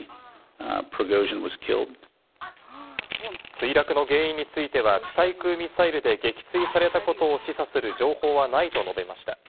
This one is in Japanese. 墜落の原因については地対空ミサイルで撃墜されたことを示唆する情報はないと述べました。